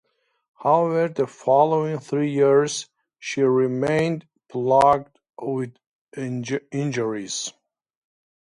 However the following three years she remained plagued with injuries.